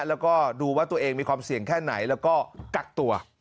แล้วก็ดูว่าตัวเองมีความเสี่ยงแค่ไหนแล้วก็กักตัว